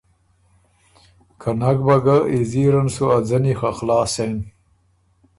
که نک بَه ګه ایزیره ن سُو ا ځنی خه خلاص سېن۔